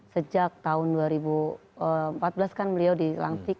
sejak tahun dua ribu empat belas kan beliau dilantik